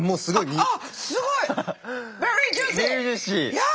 いや！